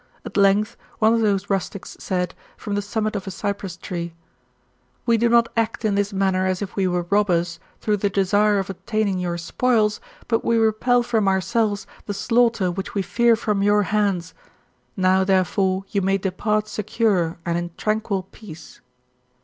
At length one of those rustics said, from the summit of a cypress tree :" We do not act in this manner as if we were robbers, through the desire of obtaining your spoils, but we repel from ourselves the slaughter which we fear from your hands. Now, therefore, you may depart secure, and in tranquil peace.